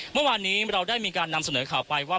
เมื่อวานนี้เราได้มีการนำเสนอข่าวไปว่า